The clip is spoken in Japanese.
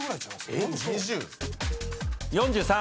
４３。